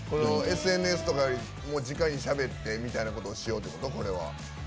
ＳＮＳとかよりじかにしゃべってみたいなことをしようってこと？